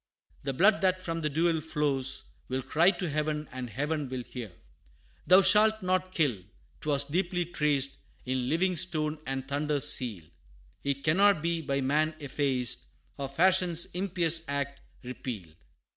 The blood that from the duel flows, Will cry to heaven, and heaven will hear! Thou shalt not kill!' 'Twas deeply traced In living stone, and thunder sealed; It cannot be by man effaced, Or fashion's impious act repealed.